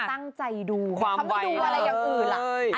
ตั้งใจดูเขาไม่ดูอะไรอย่างอื่นล่ะ